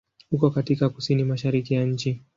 Uko katika kusini-mashariki ya nchi.